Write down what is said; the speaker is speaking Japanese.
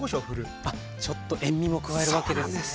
あっちょっと塩みも加えるわけですね。